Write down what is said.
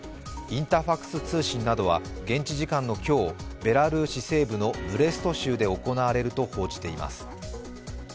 インタファクス通信などは現地時間の今日、ベラルーシ西部のブレスト州で行われると報じています。